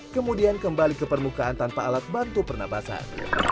kemudian kembali ke permukaan tanpa alat bantu pernapasan